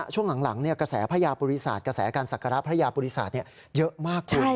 ช่วงหลังกระแสพระยาปุริศาสตร์กระแสการศักระพระยาปริศาสตร์เยอะมากคุณ